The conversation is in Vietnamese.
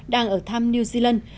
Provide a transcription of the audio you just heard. đang ở tham new zealand